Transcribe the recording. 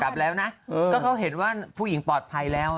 กลับแล้วนะก็เขาเห็นว่าผู้หญิงปลอดภัยแล้ว